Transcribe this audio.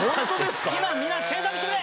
今みんな検索してくれ！